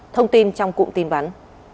thông tin trong cụm tin bắn